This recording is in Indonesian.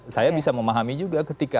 saya bisa memahami juga ketika